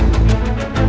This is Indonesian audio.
tapi musuh aku bobby